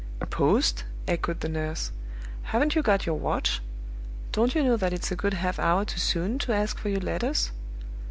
"Post?" echoed the nurse. "Haven't you got your watch? Don't you know that it's a good half hour too soon to ask for your letters?"